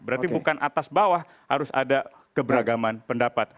berarti bukan atas bawah harus ada keberagaman pendapat